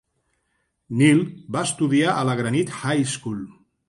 Neal va estudiar a la Granite High School.